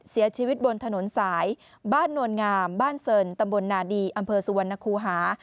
เสียชีวิตบนถนนสายบ้านนวลงามบ้านเซินตำบลนาดีอำเภอสุวรรณคูหา